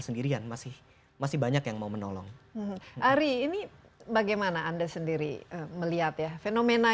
sendirian masih masih banyak yang mau menolong ari ini bagaimana anda sendiri melihat ya fenomena